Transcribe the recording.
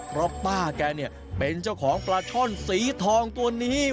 เพราะป้าแกเนี่ยเป็นเจ้าของปลาช่อนสีทองตัวนี้